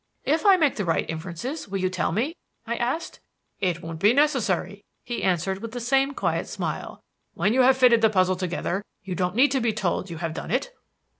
"If I make the right inference, will you tell me?" I asked. "It won't be necessary," he answered, with the same quiet smile. "When you have fitted the puzzle together you don't need to be told you have done it."